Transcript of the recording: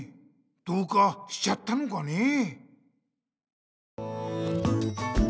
どうかしちゃったのかねえ？